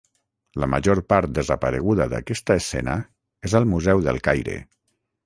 La major part desapareguda d'aquesta escena és al Museu del Caire.